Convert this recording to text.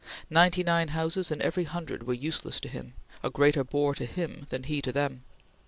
Ninety nine houses in every hundred were useless to him, a greater bore to him than he to them.